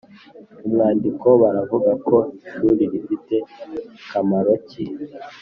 Mu mwandiko baravuga ko ishuri rifite kamaro ki?